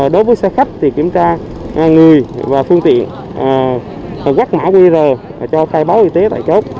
đối với xe khách thì kiểm tra người và phương tiện quét mã qr cho khai báo y tế tại chỗ